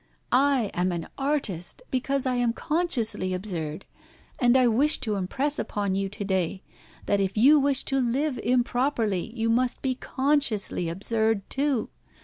I am an artist, because I am consciously absurd; and I wish to impress upon you to day, that if you wish to live improperly, you must be consciously absurd too.